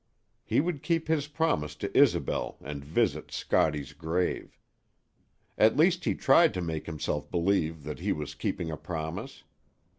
He would keep his promise to Isobel and visit Scottie's grave. At least he tried to make himself believe that he was keeping a promise.